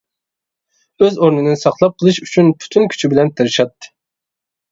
ئۆز ئورنىنى ساقلاپ قېلىش ئۈچۈن پۈتۈن كۈچى بىلەن تىرىشاتتى.